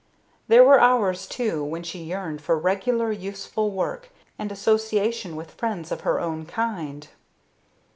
There were hours, too, when she yearned for regular, useful work and association with friends of her own kind.